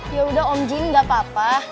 ya udah om juga papa